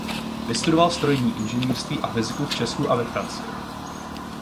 Vystudoval strojní inženýrství a fyziku v Česku a ve Francii.